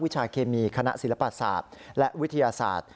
ชาเคมีคณะศิลปศาสตร์และวิทยาศาสตร์